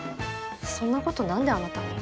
そんなことなんであなたに？